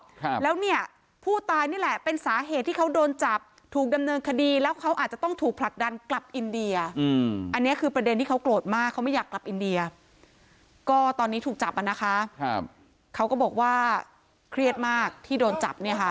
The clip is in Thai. ครับแล้วเนี่ยผู้ตายนี่แหละเป็นสาเหตุที่เขาโดนจับถูกดำเนินคดีแล้วเขาอาจจะต้องถูกผลักดันกลับอินเดียอืมอันเนี้ยคือประเด็นที่เขาโกรธมากเขาไม่อยากกลับอินเดียก็ตอนนี้ถูกจับอ่ะนะคะครับเขาก็บอกว่าเครียดมากที่โดนจับเนี่ยค่ะ